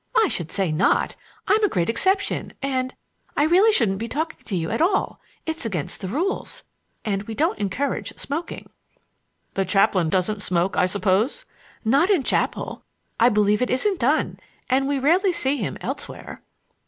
"I should say not! I'm a great exception,—and—I really shouldn't be talking to you at all! It's against the rules! And we don't encourage smoking." "The chaplain doesn't smoke, I suppose." "Not in chapel; I believe it isn't done! And we rarely see him elsewhere."